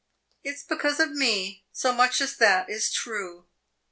"It 's because of me. So much as that is true."